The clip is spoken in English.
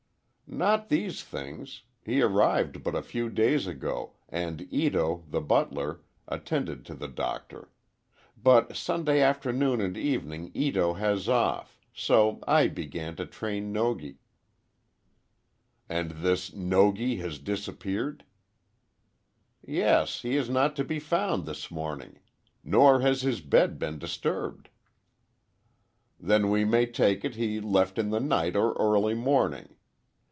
"Not these things. He arrived but a few days ago, and Ito the butler, attended to the Doctor. But Sunday afternoon and evening Ito has off, so I began to train Nogi." "And this Nogi has disappeared?" "Yes; he is not to be found this morning. Nor has his bed been disturbed." "Then we may take it he left in the night or early morning.